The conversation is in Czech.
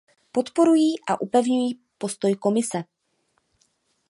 Podporují a upevňují postoj Komise.